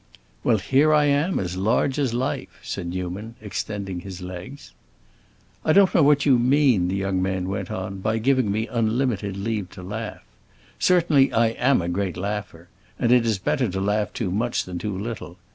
"Well, here I am as large as life," said Newman, extending his legs. "I don't know what you mean," the young man went on "by giving me unlimited leave to laugh. Certainly I am a great laugher, and it is better to laugh too much than too little.